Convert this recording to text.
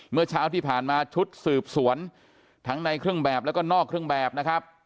เมื่อเช้าที่ผ่านมาชุดสืบสวนทั้งในเครื่องแบบแล้วก็นอกเครื่องแบบนะครับ